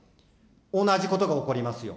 同じことが起こりますよ。